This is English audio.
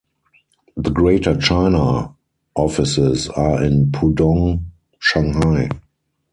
The Greater China offices are in Pudong, Shanghai.